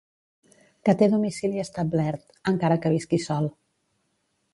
Que té domicili establert, encara que visqui sol.